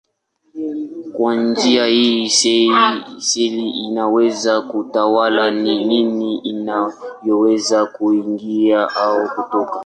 Kwa njia hii seli inaweza kutawala ni nini inayoweza kuingia au kutoka.